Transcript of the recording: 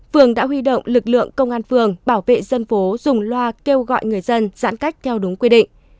phường đã huy động lực lượng công an phường bảo vệ dân phố dùng loa kêu gọi người dân giãn cách theo đúng quy định